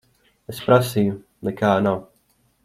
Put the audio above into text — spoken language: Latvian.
Es prasīju. Nekā nav.